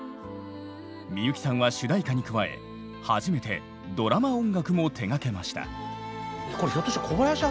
みゆきさんは主題歌に加え初めてドラマ音楽も手がけました。